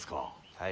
はい。